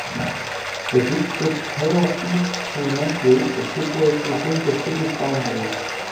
The district's Palos East elementary is situated within the city's boundaries.